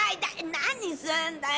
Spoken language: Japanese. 何すんだよ。